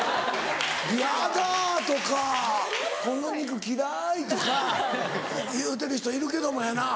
「ヤダ」とか「この肉嫌い」とか言うてる人いるけどもやな。